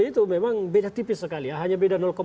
itu memang beda tipis sekali ya hanya beda